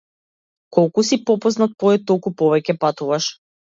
Колку си попознат поет толку повеќе патуваш.